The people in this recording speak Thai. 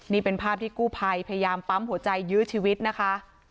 นี่เป็นภาพที่กู้ภัยพยายามปั๊มหัวใจยื้อชีวิตนะคะ